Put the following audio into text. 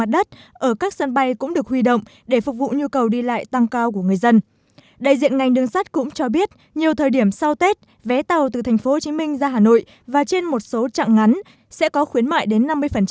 đại diện ngành đường sắt cũng cho biết nhiều thời điểm sau tết vé tàu từ tp hcm ra hà nội và trên một số trạng ngắn sẽ có khuyến mại đến năm mươi